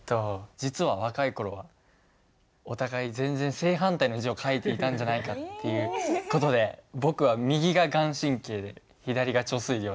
実は若い頃はお互い全然正反対の字を書いていたんじゃないかっていう事で僕は右が顔真で左が遂良だと思います。